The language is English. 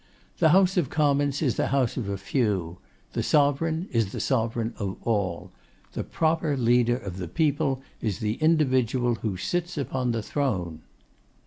The House of Commons is the house of a few; the Sovereign is the sovereign of all. The proper leader of the people is the individual who sits upon the throne.